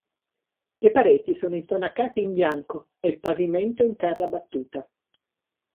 Le pareti sono intonacate in bianco e il pavimento è in terra battuta.